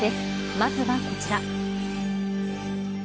まずはこちら。